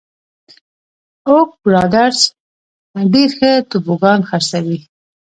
اوک برادرز ډېر ښه توبوګان خرڅوي.